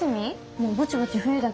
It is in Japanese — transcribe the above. もうぼちぼち冬だけど。